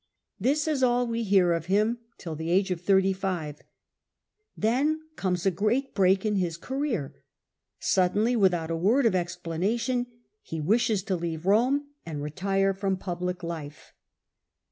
This is all we hear of him till the age of thirty five. Then comes a great break in his ca reer. Suddenly, without a word of explanation, His retire he wishes to leave Rome and retire from Rhodes public life.